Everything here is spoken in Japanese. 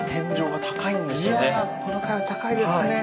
いやここの階は高いですね。